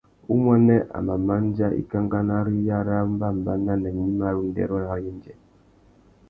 Umuênê a mà mándjá ikankana râ iyara umbámbànà nà gnïmá râ undêrô râ yêndzê.